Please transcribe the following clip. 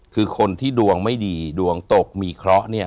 คือคนที่ดวงไม่ดีดวงตกมีเคราะห์เนี่ย